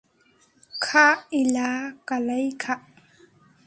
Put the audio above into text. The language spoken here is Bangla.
খা ইলা, কালাই খা।